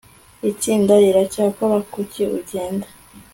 itsinda riracyakora kuki ugenda